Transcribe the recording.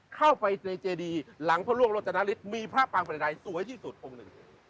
เข้าไปในเจดีหลังพระร่วงโรจนฤทธิมีพระปางประดัยสวยที่สุดองค์หนึ่ง